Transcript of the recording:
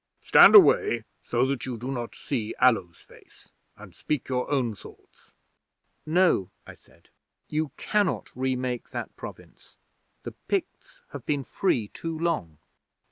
Stand away, so that you do not see Allo's face; and speak your own thoughts." '"No," I said. "You cannot remake that Province. The Picts have been free too long."